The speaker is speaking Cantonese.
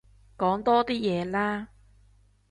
講多啲嘢啦